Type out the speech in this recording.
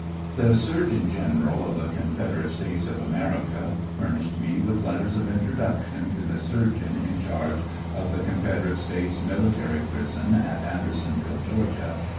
The Surgeon General of the Confederate States of America fur nished me with letters of introduction to the surgeon in charge of the Confederate States Military prison at Andersonville, Ga.